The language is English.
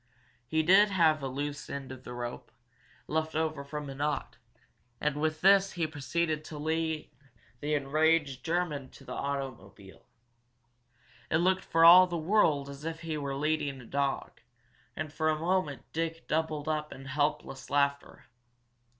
He did have a loose end of rope, left over from a knot, and with this he proceeded to lead the enraged German to the automobile. It looked for all the world as if he were leading a dog, and for a moment Dick doubled up in helpless laughter.